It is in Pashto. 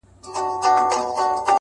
هره موخه د نظم غوښتنه کوي،